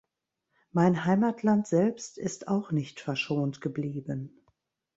Mein Heimatland selbst ist auch nicht verschont geblieben.